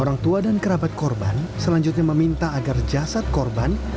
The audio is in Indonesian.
orang tua dan kerabat korban selanjutnya meminta agar jasad korban